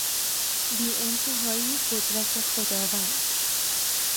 بیانتهایی قدرت خداوند